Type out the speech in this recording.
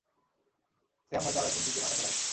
Sam হয়তো আরো একদিন টিকে নাও থাকতে পারে।